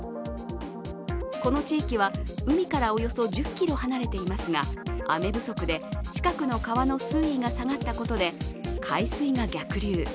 この地域は、海からおよそ１０ｋｍ離れていますが、雨不足で近くの川の水位が下がったことで海水が逆流。